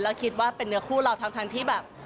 แล้วคิดว่าเป็นเนื้อคู่เราทั้งที่แบบ